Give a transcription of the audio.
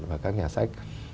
và các nhà sách